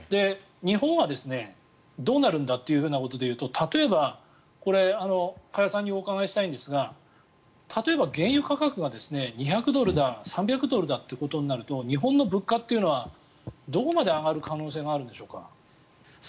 日本はどうなるんだってことで言うと例えば、これ加谷さんにお伺いしたいんですが例えば原油価格が２００ドルだ、３００ドルだということになると日本の物価というのはどこまで上がる可能性があるんでしょうか。